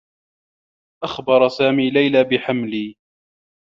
أخبر سامي ليلى بحملي.